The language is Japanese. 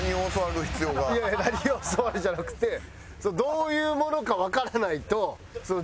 いやいや「何を教わる」じゃなくてどういうものかわからないとできるわけないから。